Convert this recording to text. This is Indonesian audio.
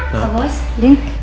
mama mama udah pulang